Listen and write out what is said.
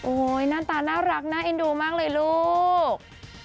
หน้าตาน่ารักน่าเอ็นดูมากเลยลูก